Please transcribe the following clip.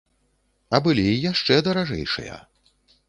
А былі і яшчэ даражэйшыя.